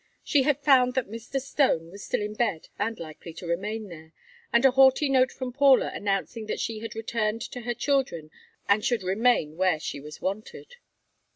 She had found that Mr. Stone was still in bed and likely to remain there, and a haughty note from Paula announcing that she had returned to her children and should remain where she was wanted.